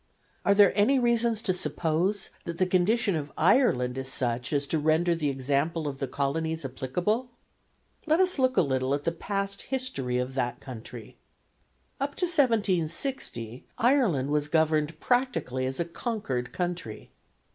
Are there any reasons to suppose that the condition of Ireland is such as to render the example of the Colonies applicable? Let us look a little at the past history of that country. Up to 1760 Ireland was governed practically as a conquered country.